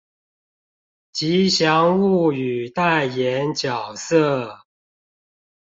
吉祥物與代言角色